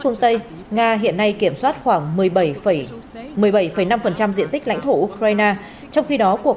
phương tây nga hiện nay kiểm soát khoảng một mươi bảy năm diện tích lãnh thổ ukraine trong khi đó cuộc